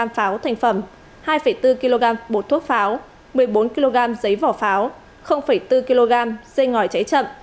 một mươi pháo thành phẩm hai bốn kg bột thuốc pháo một mươi bốn kg giấy vỏ pháo bốn kg dây ngòi cháy chậm